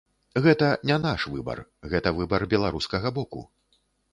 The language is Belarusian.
Гэта не наш выбар, гэта выбар беларускага боку.